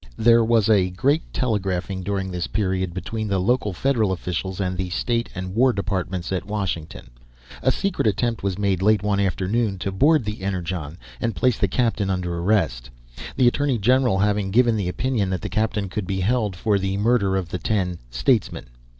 There was a great telegraphing, during this period, between the local Federal officials and the state and war departments at Washington. A secret attempt was made late one afternoon to board the Energon and place the captain under arrest the Attorney General having given the opinion that the captain could be held for the murder of the ten "statesmen."